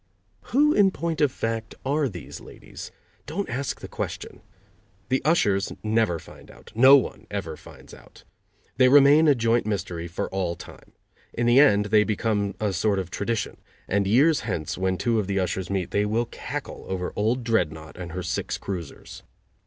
(Who, in point of fact, are these ladies? Don't ask the question! The ushers never find out. No one ever finds out. They remain a joint mystery for all time. In the end they become a sort of tradition, and years hence, when two of the ushers meet, they will cackle over old dreadnaught and her six cruisers.